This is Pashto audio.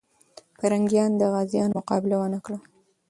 پرنګیان د غازيانو مقابله ونه کړه.